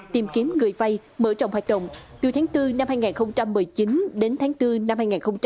tìm kiếm người vai mở trọng hoạt động từ tháng bốn năm hai nghìn một mươi chín đến tháng bốn năm hai nghìn hai mươi ba